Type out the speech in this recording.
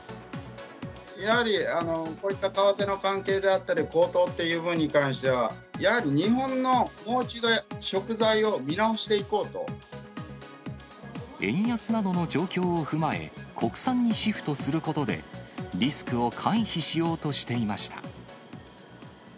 やはりこういった為替の関係であったり、高騰というふうに関しては、やはり日本の、もう一度円安などの状況を踏まえ、国産にシフトすることで、リスクを回避しようとしていました。